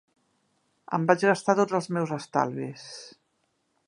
Em vaig gastar tots els meus estalvis.